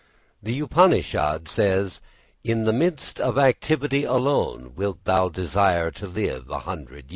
The Upanishad says: _In the midst of activity alone wilt thou desire to live a hundred years.